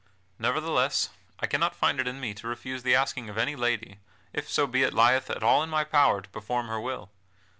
Nevertheless, I cannot find it in me to refuse the asking of any lady, if so be it lieth at all in my power to perform her will.